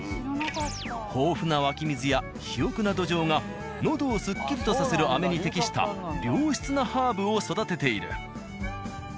豊富な湧き水や肥沃な土壌がのどをすっきりとさせる飴に適した良質なハーブを育てている。